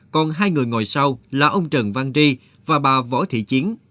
còn hai người ngồi sau là ông trần văn tri và bà võ thị chiến